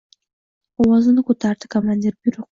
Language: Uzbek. ovozini ko‘tardi komandir. — Buyruq!